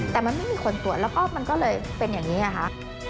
แต่มันไม่มีคนตรวจแล้วก็มันก็เลยเป็นอย่างนี้ไงคะ